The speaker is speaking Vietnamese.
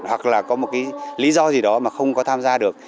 hoặc là có một cái lý do gì đó mà không có tham gia được